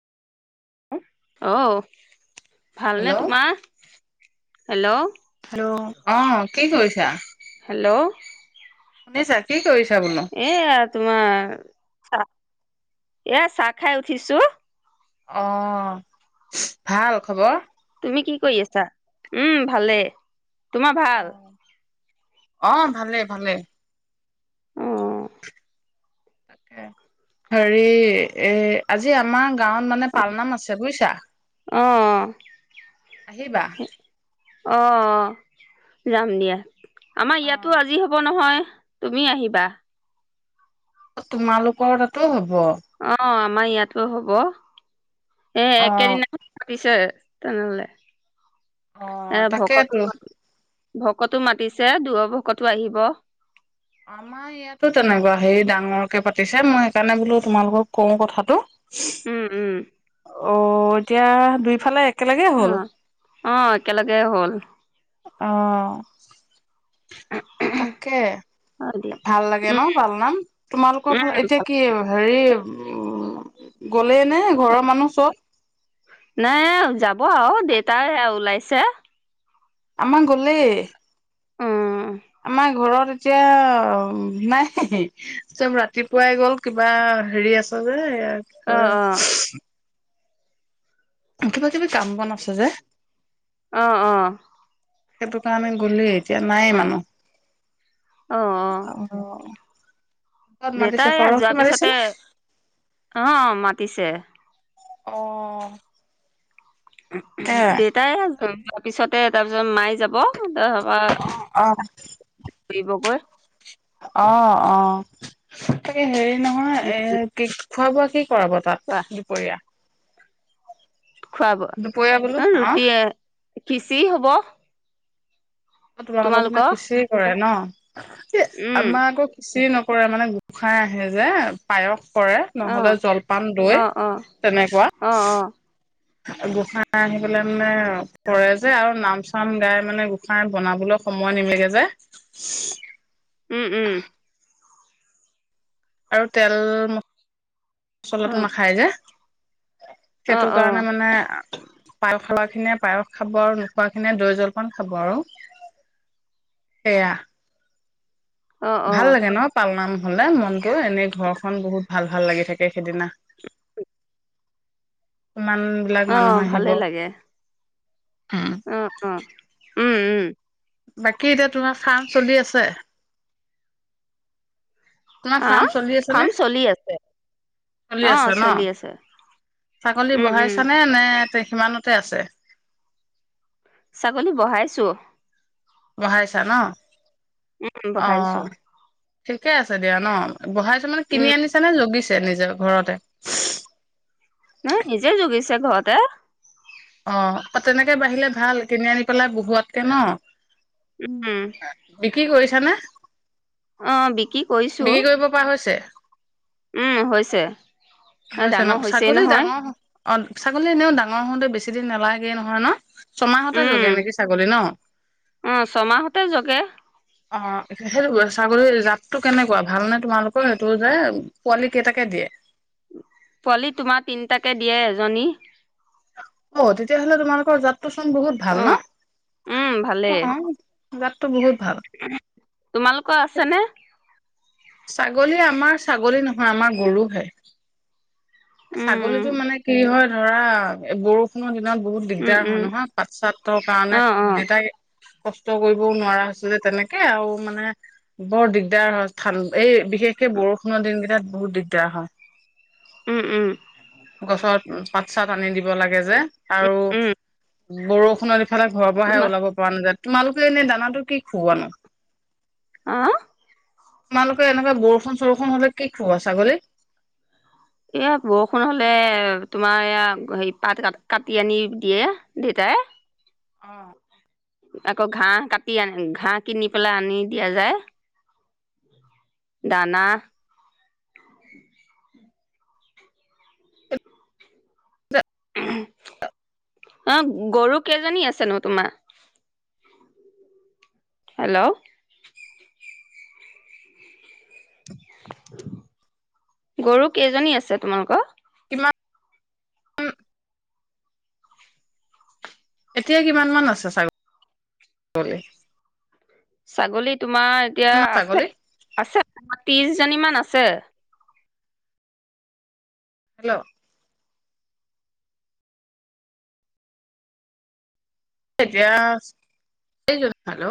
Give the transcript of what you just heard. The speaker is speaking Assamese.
অঁ ভালনেে হেল্ল' তোমা? হেল্ল' হেল্ল' অ কি কইছ যা ল্ল' শুনিছা কি কৰিছ এয়া তোমা চ এইয়া চাহ খাই উঠিছো, অ ভাল খবৰ? তুমি কি কৰি আছা? উম ভালে তোমা ভাল? অ ভালে-ভালে অ তাকে হেৰি এ আজি আমাৰ গাঁৱত মানে পালনাম আছে বুইছা? অ-অ আহিবা ৷ অ-অ যাম দিয়া৷ আমাৰ ইয়াতো আজি হ'ব নহয়৷ তুমি আহিবা৷ তোমালোকৰ তাতো হ'ব? অ আমাৰ ইয়াতো হ'ব৷ এ অ একেদিনাই পাতিছে তেনেহলে অ এ ভকতো তাকেইতো! ভকতো মাতিছে দূৰ ভকতো আহিব৷ আমাৰ ইয়াতো তেনেকুৱা হে ডাঙৰকে পাতিছে মই সেইকাৰণে বোলো তোমালোকক কওঁ কথাটো ৷ উম- উম অ এতিয়া দুইফালে এক অ - অ একেলগে হ'ল ৷ অ তাকে হয় দিয়া। ভাল লাগে ন উম, পালনাম তোমালোকৰ ফালে উম। এতিয়া কি হেৰি উমম গলেই নে ঘৰৰ মানুহ চব? অ দেউতাই এয়া ওলাইছে ৷ আমা গলেই৷ উম আমাৰ ঘৰত তেতিয়া নাই চব ৰাতিপুৱাই গ'ল কিবা হেৰি আছে যে এ তাৰ অ পৰা অ [unintelligible] কিবা কিবি কাম বন আছে যে ৷ অ অ সেইটো কাৰণে গ'লেই ৷ এতিয়া নাই অ অ অ মানুহ অহ, দেউতাই যোৱা মাতিছে পিছতে নে অ মা পিছে অ এ দেটায় আজি [unintelligible] তাৰপিছতে তাৰপিছত মায়ে যাব তা অ ফুৰিবগৈ অ - অ, তাকে হেৰি নহয় এ কেক- খোৱা বোৱা সে পৰাব খোৱা তাত দুপৰীয়া ৷ খুৱাব, দুপৰীয়া বোলো অ ৰুটি খিচি হব৷ তোমালোকৰ ফালে খিচি কৰে ন? এ উম আমাৰ আকৌ কিছি নক [unintelligible] কৰে মানে গোঁসাই আহে যে পায়স কৰে অ নহলে জলপান অ দৈ অ তেনেকুৱা ৷ অ অ গোঁসাই আহি পেলাই মানে কৰে যে আৰু নাম চাম গাই মানে গোঁসাই বনাবলৈ সময় নিমিলে যে! উম উম আৰু তেল অ চলাটো নাখায় যে! অ সেইটো কাৰণে অ মানে পায় খালা ইনে পায়স খাব আৰু নোখোৱা খিনিয়ে দৈ জলপান খাব আৰু, সেয়া৷ অ অ ভাল লাগে ন পাল নাম? হলনে মনটো এনেই ঘৰখন বহুত ভাল - ভাল লাগি থাকে সেদিনা৷ ইমান বিলাক অ মানুহ ভালে আহিব৷ লাগে উম অ অ উম উম বাকী এতিয়া তোমাৰ ফাৰ্ম চলি আছে? তোমাৰ আহ ফাৰ্ম চলি আছে ফাৰ্ম নে? চলি আছে চলি অ আছে ন? চলি আছে ছাগলী উম উম বহাইছ নে? নে- সিমানতে আছে৷ ছাগলী বহাইছো৷ বহাইছা ন? উম অ বহাইছো ঠিকে আছে দিয়া ন? বহাই খনত কিনি উম আনিছ নে যগীছে আ নিজৰ ঘৰতে ৷ ন নিজে জগিছে ঘৰতে৷ অ তেনেকে বাঢ়িলে ভাল কিনি আনি পেলাই বহোৱাতকে ন? উম বিক্ৰী কৰিছানে? অ বিকি কইছো অ, বিক্ৰী কৰিব পৰা হৈছে? উম হৈছে৷ হয়ছে ডাঙৰ ন' হৈছেই ছাগলী নহয় ডাঙৰ? অ 'ছাগলী এনেও ডাঙৰ হওঁতেই বেছি দিন নালাগে নহয় ন? ছমাহতে উম জগে নেকি ছাগলী ন? অ ছমাহতে জগে অ 'সেইটোৱে ছাগলীৰ জাতটো কেনেকুৱা ভালনে তোমালোকৰ? সেইটো যে পোৱালি কেইটাকে দিয়ে? পোৱালি তোমাৰ তিনিটাকে দিয়ে এজনী । অ 'তেতিয়াহ'লে তোমালোকৰ যাত তোৰ চোন বহুত ভাল ন? ভালে অ জাতটো বহুত ভাল। তোমালোকৰ আছে নে? ছাগলী আমাৰ ছাগলী নহয় আমাৰ গৰুহে । উম ছাগলীটো মানে কি হয় ধৰা এই বৰষুণৰ দিনত বহুত উম দিগদাৰ হয় উম নহয় পাত চাতৰ কাৰণে অ অ দেতাই কষ্ট কৰিবও নোৱাৰা হৈছে যে তেনেকে আৰু মানে বৰ দিগদাৰ হয়। থান এই বিশেষকে বৰষুণৰ দিনকেইটাত বহুত দিগদাৰ হয়। উম উম গছৰ উ' পাত চাত আনি দিব লাগে যে। আৰু উম বৰষুণত ইফালে ঘৰৰ পৰা হে তোমাৰ ওলাব পৰা নাযায়। তোমালোকে এনে দানাটো কি খুওৱা নো? অ তোমালোকে এনেকুৱা বৰষুণ চৰষুণ হলে কি খোওৱা ছাগলীক? এয়া বৰষুণ হলে তোমাৰ এয়া হেৰি পাত কাটি আনি দিয়ে দেতাই । অ'। আকৌ ঘাঁহ কাটি আনি ঘাঁহ কিনি পেলাই আনি দিয়া যায় দানা [inaudible] অ' গৰু কেইজনী আছে নো তোমাৰ? হেল্ল' [unintelligible] গৰু কেইজনী আছে তোমালোকৰ? কিমান এতিয়া কিমান মান আছে চা--গৈ? ছাগলীত তোমাৰ এতিয়া আছে ছাগলী -আছে তোমাৰ ত্ৰিছ কেইজনী মান আছে। হেল্ল' এতিয়া সেইজন ভালো [unintelligible]